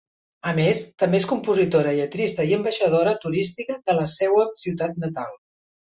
A més, també és compositora, lletrista i ambaixadora turística de la seua ciutat natal.